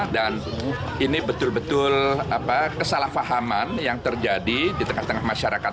dan ini betul betul kesalahpahaman yang terjadi di tengah tengah masyarakat kita